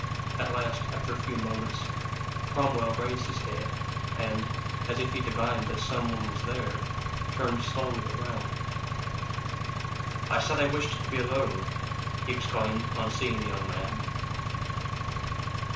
At last, after a few moments, Cromwell raised his head, and, as if he divined that some one was there, turned slowly around. "I said I wished to be alone," he exclaimed, on seeing the young man.